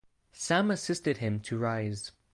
Sam assisted him to rise.